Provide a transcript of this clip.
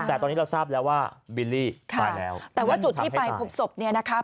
แต่ตอนนี้เราทราบแล้วว่าบิลลี่ตายแล้วแต่ว่าจุดที่ไปพบศพเนี่ยนะคะ